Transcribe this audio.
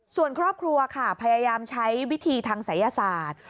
ส่วนครอบครัวค่ะพยายามใช้วิธีทางศัยศาสตร์